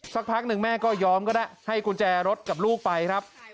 สักพักหนึ่งแม่ก็ยอมก็ได้ให้กุญแจรถกับลูกไปครับ